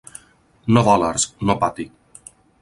No dòlars, no Patti.